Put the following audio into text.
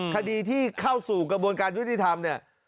คดีที่เข้าสู่กระบวนการยุติธรรมเนี่ย